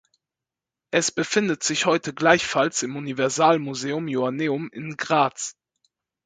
Es befindet sich heute gleichfalls im Universalmuseum Joanneum in Graz.